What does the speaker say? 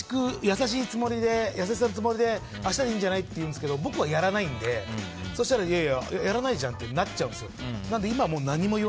優しさのつもりで明日でいいんじゃない？って言うんですけど僕はやらないのでそしたら、いやいややらないじゃんってなっちゃうんですよ。